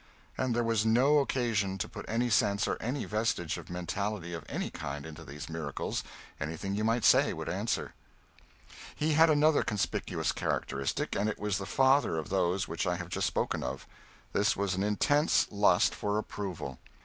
And there was no occasion to put any sense or any vestige of mentality of any kind into these miracles; anything you might say would answer. He had another conspicuous characteristic, and it was the father of those which I have just spoken of. This was an intense lust for approval.